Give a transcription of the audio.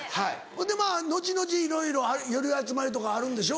ほんで後々いろいろ寄り集まりとかあるんでしょ？